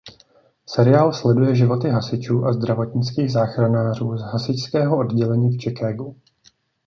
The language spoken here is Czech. Seriál sleduje životy hasičů a zdravotnických záchranářů z hasičského oddělení v Chicagu.